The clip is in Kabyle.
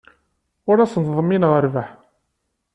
Ur asen-ḍmineɣ rrbeḥ.